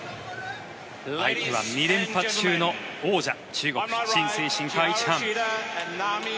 相手は２連覇中の王者中国、チン・セイシンカ・イチハン。